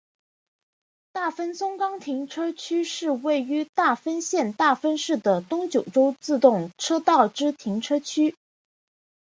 大分松冈停车区是位于大分县大分市的东九州自动车道之停车区。